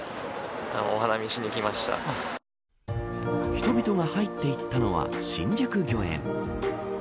人々が入っていったのは新宿御苑。